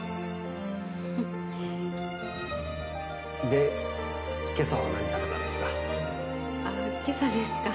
で、今朝は何食べたんですか？